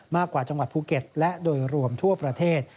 มากกว่าจังหวัดภูเก็ตและโดยรวมทั่วประเทศ